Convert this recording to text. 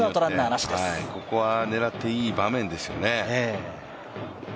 ここは狙っていい場面ですよね。